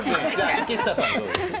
池下さんはどうですか？